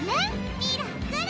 ミラクル！